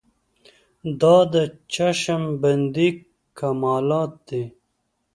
دا د چشم بندۍ کمالات دي.